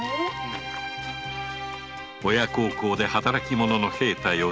親孝行で働き者の平太よ